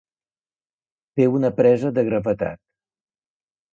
Té una presa de gravetat.